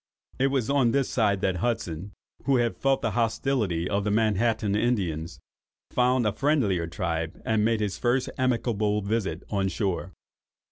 It was on this side that Hudson, who had felt the hostility of the Manhattan Indians, found a friendlier tribe, and made his first amicable visit on shore.